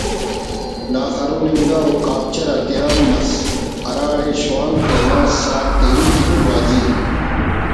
نا خرن انگا و کاپچر آتیان مس ہرا ڑے شوانک تینا ساہت تیری کن گوازی